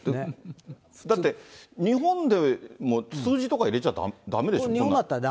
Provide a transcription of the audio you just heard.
だって、日本でも数字とか入れちゃだめでしょ？